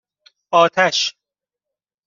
آتش